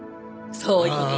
そういう事。